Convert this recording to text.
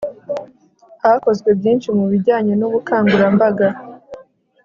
hakozwe byinshi mu bijyanye n'ubukangurambaga